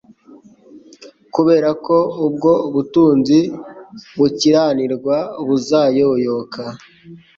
Kubera ko ubwo butunzi bukiranirwa buzayoyoka